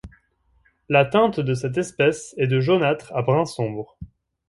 La teinte de cette espèce est de jaunâtre à brun sombre.